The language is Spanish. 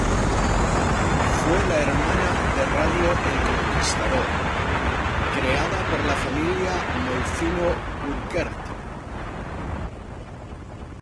Fue la hermana de radio El Conquistador; creada por la familia Molfino-Bürkert.